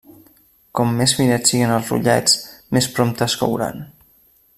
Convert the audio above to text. Com més finets siguen els rotllets, més prompte es couran.